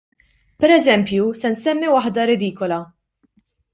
Pereżempju, se nsemmi waħda redikola.